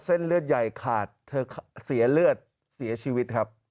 เส้นเลือดใหญ่ขาดเธอเสียเลือดเสียชีวิตครับ